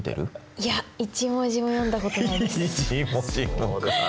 いや１文字も読んだことないです。